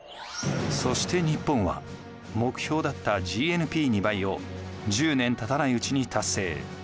そして日本は目標だったＧＮＰ２倍を１０年たたないうちに達成。